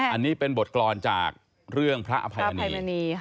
อันนี้เป็นบทกรรมจากเรื่องพระอภัยมณี